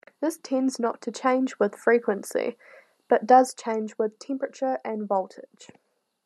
This tends not to change with frequency, but does change with temperature and voltage.